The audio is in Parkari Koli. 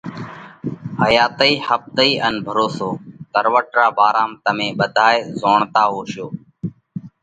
حياتئِي ۿپتئِي ان ڀروسو: تروٽ را ڀارام تمي ٻڌائي زوڻتا هوشو۔